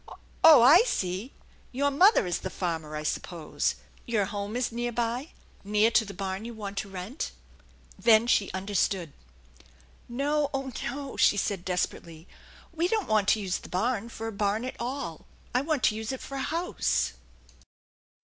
" Oh, I see, your mother is the farmer, I suppose. Your home is near by near to the barn you want to rent?" Then she understood. " No, oh, no ! she said desperately. " We don't want to use the barn for a barn at all. I want to use it for a house